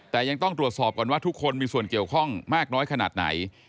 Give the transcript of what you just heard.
แต่ยังต้องตรวจสอบก่อนว่าทุกคนมีส่วนเกี่ยวข้องมากน้อยขนาดไหน